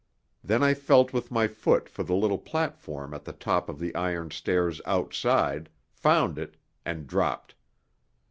Then I felt with my foot for the little platform at the top of the iron stairs outside, found it, and dropped.